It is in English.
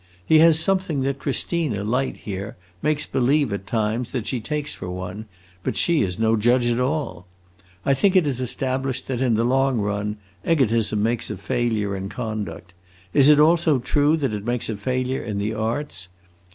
He has something that Christina Light, here, makes believe at times that she takes for one, but she is no judge at all! I think it is established that, in the long run, egotism makes a failure in conduct: is it also true that it makes a failure in the arts?...